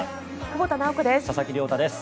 久保田直子です。